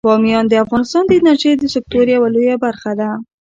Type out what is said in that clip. بامیان د افغانستان د انرژۍ د سکتور یوه لویه برخه ده.